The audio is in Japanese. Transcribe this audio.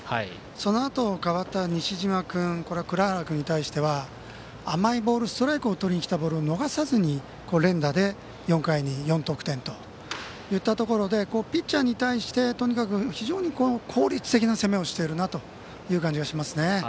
そのあと代わった西嶋君、藏原君に対しては甘いボール、ストライクをとりにきたボールを逃さずに連打で４回に４得点といったところでピッチャーに対して、とにかく非常に効率的な攻めをしているなと感じますね。